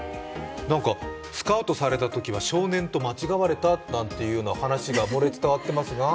スカウトされたときは少年と間違われたという話が漏れ伝わっていますが？